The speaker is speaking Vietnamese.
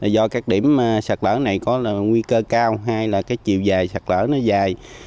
do các điểm sạt lở này có nguy cơ cao hay là cái chiều dài sạt lở nó dài